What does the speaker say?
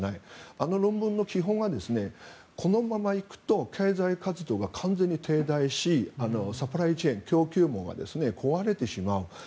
あの論文の基本はこのまま行くと経済活動が停滞しサプライチェーン、供給網が壊れてしまう。